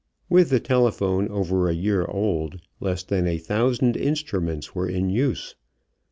With the telephone over a year old, less than a thousand instruments were in use.